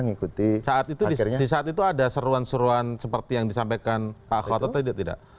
ngikuti saat itu disaat itu ada seruan seruan seperti yang disampaikan pak khotad tidak tidak